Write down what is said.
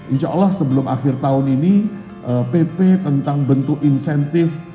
insya allah sebelum akhir tahun ini pp tentang bentuk insentif